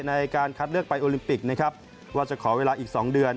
ในการคัดเลือกไปโอลิมปิกนะครับว่าจะขอเวลาอีก๒เดือน